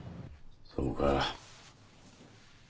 そうか。